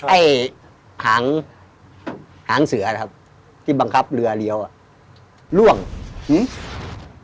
ไอ้หางหางเสือนะครับที่บังคับเรือเลี้ยวอ่ะล่วงอืม